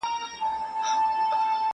• زه به سم آباد وطنه بس چي ته آباد سې,